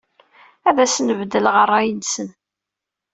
Ad asen-beddleɣ ṛṛay-nsen.